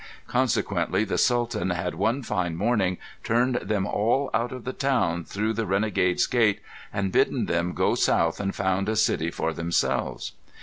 Consequently the Sultan had one fine morning turned them all out of the town through the Renegade's Gate and bidden them go south and found a city for themselves.